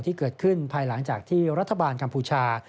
ที่เกิดขึ้นภายหลังจากที่รัฐบาลกัมพูชา